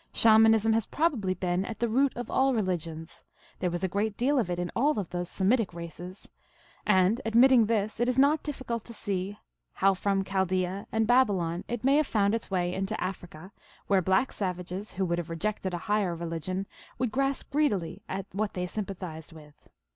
Shamanism has prob ably been at the root of all religions ; there was a great deal of it in all those of the Semitic races, and, ad mitting this, it is not difficult to see how from Chaldea and Babylon it may have found its way into Africa, where black savages, who would have rejected a higher religion, would grasp greedily at what they sympa thized with.